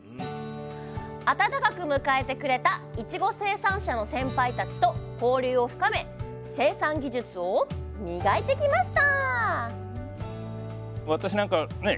温かく迎えてくれたいちご生産者の先輩たちと交流を深め生産技術を磨いてきました